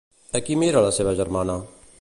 A qui mira la seva germana?